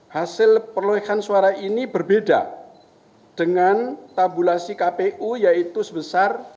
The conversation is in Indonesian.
hasil perolehan suara ini berbeda dengan tabulasi kpu yaitu sebesar